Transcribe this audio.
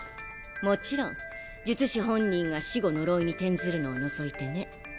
もちろん術師本人が死後呪いに転ずるのを除いてね。